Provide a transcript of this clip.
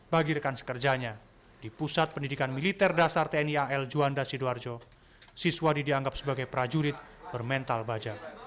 bagi rekan sekerjanya di pusat pendidikan militer dasar tni al juanda sidoarjo siswadi dianggap sebagai prajurit bermental baja